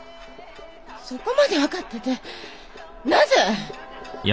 そこまで分かっててなぜ！？